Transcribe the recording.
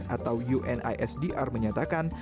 atau unisdr menyatakan